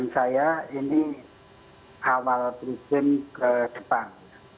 kalau saya ini awal berusim ke depan